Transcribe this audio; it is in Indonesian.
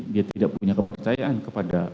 dia tidak punya kepercayaan kepada